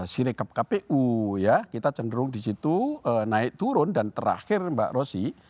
sirik kpu ya kita cenderung disitu naik turun dan terakhir mbak rosi